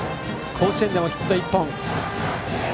甲子園でもヒット１本。